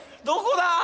どこだ？